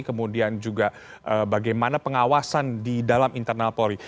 kemudian juga bagaimana pengawasan di dalam internal polri